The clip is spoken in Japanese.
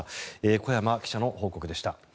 小山記者の報告でした。